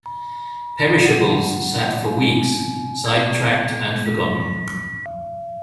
Perishables sat for weeks, sidetracked and forgotten.